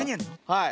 はい。